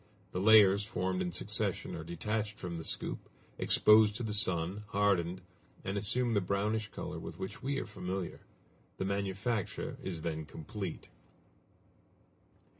The layers formed in succession are detached from the scoop, exposed to the sun, hardened, and assume the brownish color with which we are familiar. The manufacture is then complete.